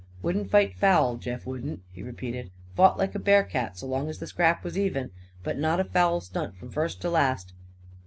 "Wouldn't fight foul, Jeff wouldn't," he repeated. "Fought like a bearcat, so long as the scrap was even. But not a foul stunt from first to last.